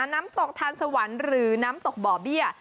น้ำตกทานสวรรค์หรือน้ำตกบ่อเบี้ย